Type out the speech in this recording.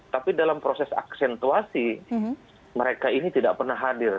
tapi dalam proses aksentuasi mereka ini tidak pernah hadir